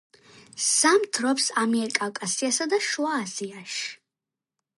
ზამთრობს ამიერკავკასიასა და შუა აზიაში.